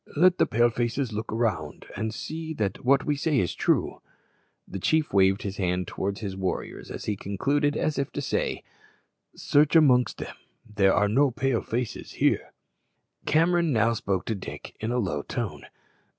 Let the Pale faces look round and see that what we say is true." The chief waved his hand towards his warriors as he concluded, as if to say, "Search amongst them. There are no Pale faces there." Cameron now spoke to Dick in a low tone.